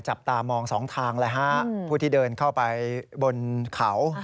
จับตามอง๒ทางพวกที่เดินเขาไปบนเขา